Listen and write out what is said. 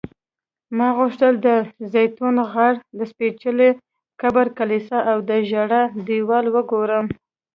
ما غوښتل د زیتون غر، د سپېڅلي قبر کلیسا او د ژړا دیوال وګورم.